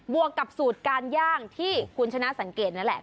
วกกับสูตรการย่างที่คุณชนะสังเกตนั่นแหละ